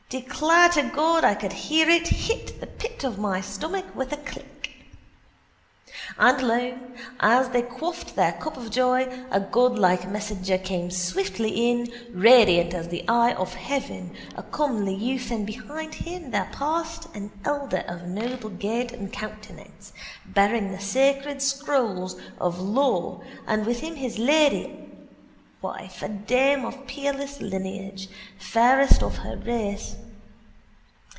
Declare to God I could hear it hit the pit of my stomach with a click. And lo, as they quaffed their cup of joy, a godlike messenger came swiftly in, radiant as the eye of heaven, a comely youth and behind him there passed an elder of noble gait and countenance, bearing the sacred scrolls of law and with him his lady wife a dame of peerless lineage, fairest of her race.